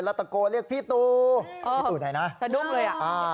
แล้วตะโกนเรียกพี่ตูพี่ตูไหนนะสะดุ้งเลยอ่ะอ่า